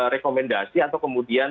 rekomendasi atau kemudian